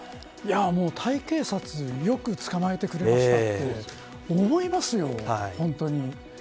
タイ警察よく捕まえてくれましたと思いますよ、本当に。